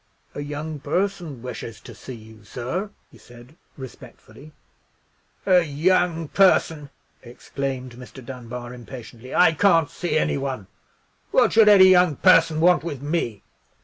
"A young person wishes to see you, sir," he said, respectfully. "A young person!" exclaimed Mr. Dunbar, impatiently; "I can't see any one. What should any young person want with me?"